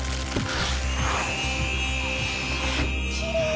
きれい！